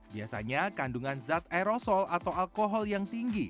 biasanya kandungan zat aerosol atau alkohol yang tinggi